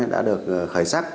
đã được khởi sắc